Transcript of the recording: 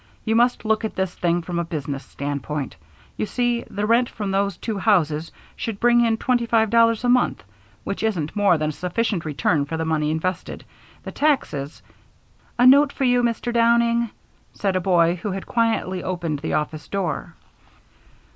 You must look at this thing from a business standpoint. You see, the rent from those two houses should bring in twenty five dollars a month, which isn't more than a sufficient return for the money invested. The taxes " "A note for you, Mr. Downing," said a boy, who had quietly opened the office door.